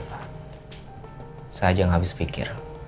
saya aja yang habis pikir